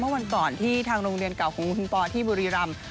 วันก่อนที่ทางโรงเรียนเก่าของคุณปอที่บุรีรำ